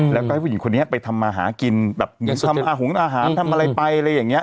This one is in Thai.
แล้วก็ให้ผู้หญิงคนนี้ไปทำมาหากินแบบเหมือนทำอาหารหงอาหารทำอะไรไปอะไรอย่างนี้